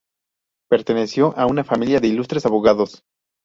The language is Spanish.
Perteneció a una familia de ilustres abogados.